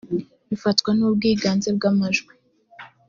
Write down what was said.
bifatwa n ubwiganze bw amajwi